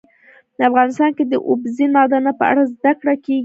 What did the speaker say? افغانستان کې د اوبزین معدنونه په اړه زده کړه کېږي.